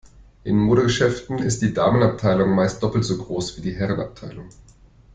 In Modegeschäften ist die Damenabteilung meist doppelt so groß wie die Herrenabteilung.